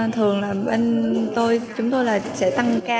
thường là bên tôi chúng tôi là sẽ tăng ca